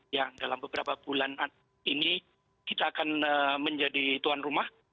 yang dalam beberapa bulan ini kita akan menjadi tuan rumah